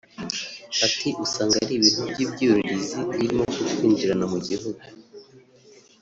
Ati “Usanga ari ibintu by’ibyuririzi birimo kutwinjirana mu gihugu